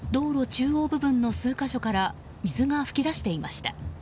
中央部分の数か所から水が噴き出していました。